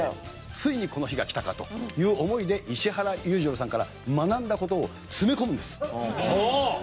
ついにこの日が来たかという思いで石原裕次郎さんから学んだ事を詰め込むんです。